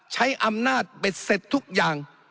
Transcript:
ใช้อำนาจเบ็ดเสร็จทุกอย่าง